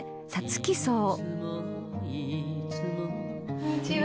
こんにちは。